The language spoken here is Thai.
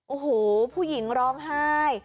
โอ้โหผู้หญิงร้องไห้